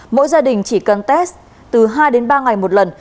mỗi gia đình chỉ cần test từ hai đến ba ngày một lần